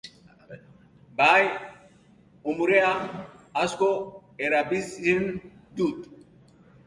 Bai, umorea asko erabiltzen dut.